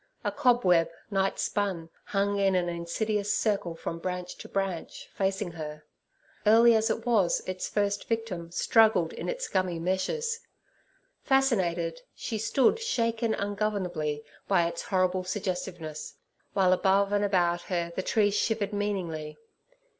A cobweb, nightspun, hung in an insidious circle from branch to branch, facing her. Early as it was, its first victim struggled in its gummy meshes. Fascinated, she stood shaken ungovernably by its horrible suggestiveness, while above and about her the trees shivered meaningly.